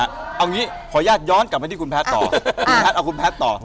เอางี้ขออนุญาตย้อนกลับไปที่คุณแพทย์ต่อคุณแพทย์เอาคุณแพทย์ต่อ